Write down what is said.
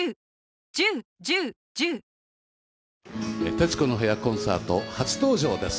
「徹子の部屋」コンサート初登場です。